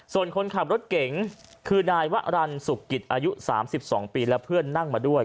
ส่วนคนขับรถเก๋งคือนายวรรณสุขกิจอายุ๓๒ปีและเพื่อนนั่งมาด้วย